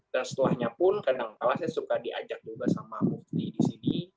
dan setelahnya pun kadangkala saya suka diajak juga sama mufti di sini